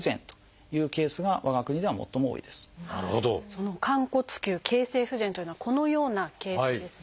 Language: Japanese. その寛骨臼形成不全というのはこのようなケースです。